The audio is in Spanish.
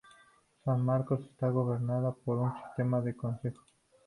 San Marcos está gobernada por un sistema de consejo.